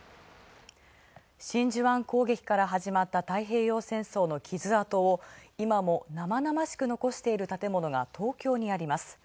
真珠湾攻撃から始まった太平洋戦争の傷跡を今も生々しく残している建物が東京にあります。